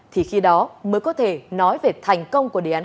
thì khi đó mới có thể nói về thành công của đế án